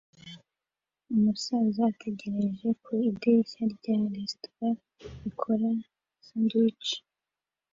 Umusaza ategereje ku idirishya rya resitora ikora sandwiches